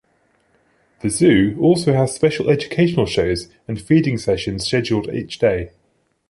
The zoo also has special educational shows and feeding sessions scheduled each day.